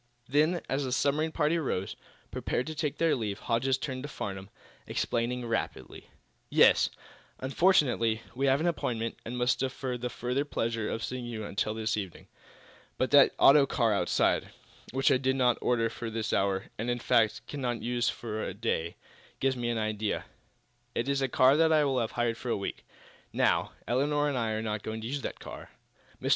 Then, as the submarine party rose, prepared to take their leave, Hodges turned to Farnum, explaining rapidly: "Yes; unfortunately, we have an appointment, and must defer the further pleasure of seeing you until this evening. But that auto car outside, which I did not order for this hour, and, in fact, cannot use for to day, gives me an idea. It is a car that I have hired for a week. Now, Elinor and I are not going to use the car. Mr.